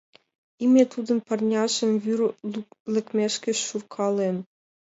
Име тудын парняжым вӱр лекмешке шуркален.